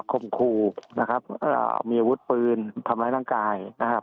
คมครูนะครับเอ่อมีอาวุธปืนทำร้ายร่างกายนะครับ